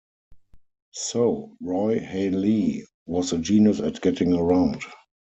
So Roy Halee was a genius at getting around.